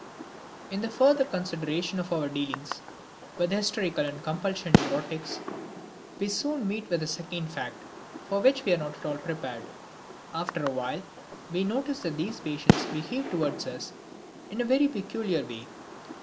In the further consideration of our dealings with hysterical and compulsion neurotics we soon meet with a second fact, for which we were not at all prepared. After a while we notice that these patients behave toward us in a very peculiar way.